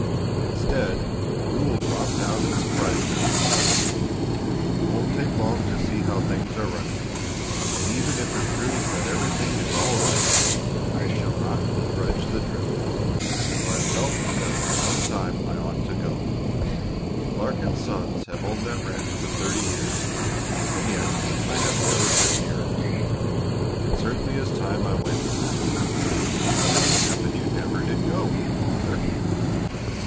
Instead we will drop down and surprise them. It won't take long to see how things are running, and even if it proves that everything is all right I shall not begrudge the trip, for I have felt for some time that I ought to go. Clark & Sons have owned that ranch for thirty years, and yet I have never been near it. It certainly is time I went." "How did it happen you never did go, father?"